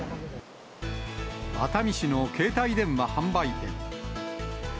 熱海市の携帯電話販売店。